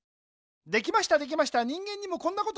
できましたできました人間にもこんなことできました。